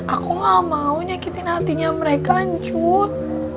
aku nggak mau nyakitin hatinya mereka ancut